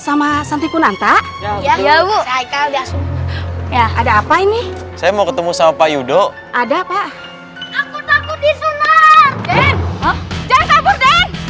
sama santikunan tak ya iya bu ya ada apa ini saya mau ketemu sama pak yudo ada pak aku takut